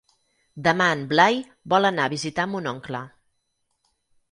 Demà en Blai vol anar a visitar mon oncle.